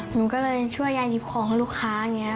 หนูก็เลยช่วยยายหยิบของให้ลูกค้าอย่างนี้